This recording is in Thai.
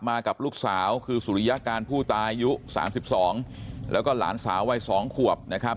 กับลูกสาวคือสุริยการผู้ตายอายุ๓๒แล้วก็หลานสาววัย๒ขวบนะครับ